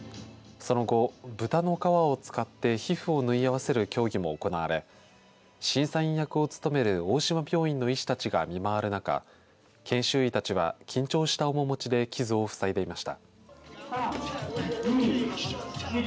その後、豚の皮を使って皮膚を縫い合わせる競技も行われ審査員役を務める大島病院の医師たちが見回る中、研修医たちは緊張した面もちで傷を塞いでいました。